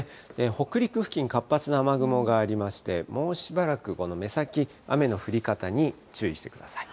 北陸付近、活発な雨雲がありまして、もうしばらくこの目先、雨の降り方に注意してください。